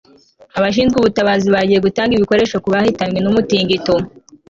Abashinzwe ubutabazi bagiye gutanga ibikoresho ku bahitanywe numutingito